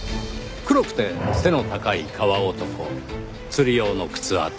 黒くて背の高い川男釣り用の靴跡